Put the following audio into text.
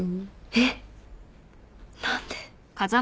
えっ何で？